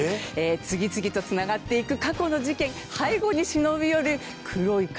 次々とつながっていく過去の事件背後に忍び寄る黒い影。